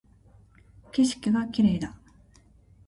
景色が綺麗だ